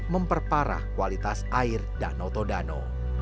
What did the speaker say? memperparah kualitas air danau todano